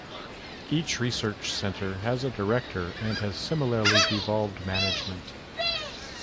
Each research centre has a director, and has similarly devolved management.